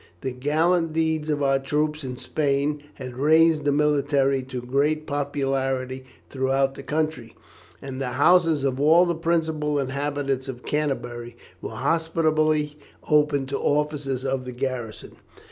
The gallant deeds of our troops in Spain had raised the military to great popularity throughout the country, and the houses of all the principal inhabitants of Canterbury were hospitably opened to officers of the garrison.